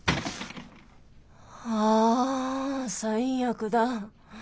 あ最悪だ。